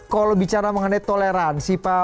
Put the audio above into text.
kalau bicara mengenai toleransi pak